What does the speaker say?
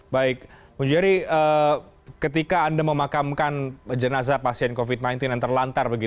baik bung jerry ketika anda memakamkan jenazah pasien covid sembilan belas yang terlantar